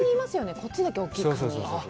こっちだけ大きいカニ。